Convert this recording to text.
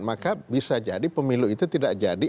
maka bisa jadi pemilu itu tidak jadi